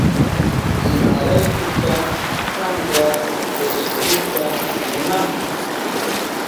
¿Imaraykuta kanka fusfuruta munanki?